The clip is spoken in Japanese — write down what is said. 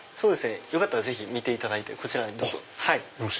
よかったらぜひ見ていただいてこちらにどうぞ。